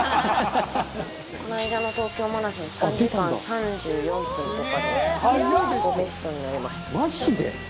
この間の東京マラソン３時間３４分とかで自己ベストになりました。